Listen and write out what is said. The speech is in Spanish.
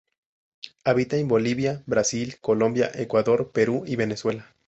Habita en Bolivia, Brasil, Colombia, Ecuador, Perú y Venezuela.